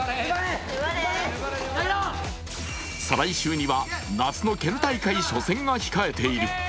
再来週には、夏の県大会初戦が控えている。